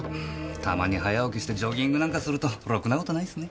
たまに早起きしてジョギングなんかするとろくな事ないっすね。